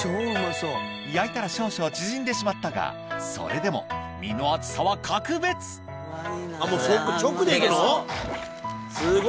焼いたら少々縮んでしまったがそれでも身の厚さは格別直でいくの⁉いただきます。